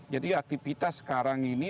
jadi aktivitas sekarang ini